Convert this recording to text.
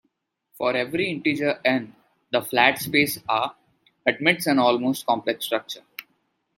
For every integer n, the flat space R admits an almost complex structure.